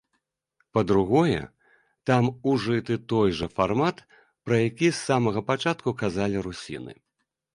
Па-другое, там ужыты той жа фармат, пра які з самага пачатку казалі русіны.